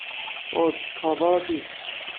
Ur d-teqqareḍ ara tidet.